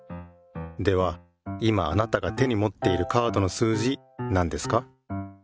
では今あなたが手にもっているカードの数字なんですか？